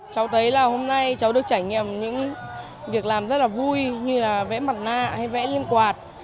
cháu thấy là hôm nay cháu được trải nghiệm những việc làm rất là vui như là vẽ mặt nạ hay vẽ liên quạt